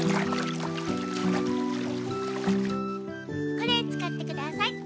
これ使ってください。